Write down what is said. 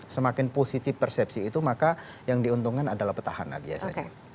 semakin positif persepsi itu maka yang diuntungkan adalah petahana biasanya